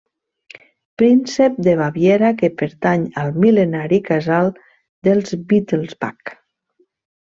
Príncep de Baviera que pertany al mil·lenari Casal dels Wittelsbach.